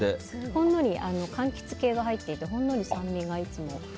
ほんのり柑橘系が入っていてほんのり酸味がいつもあります。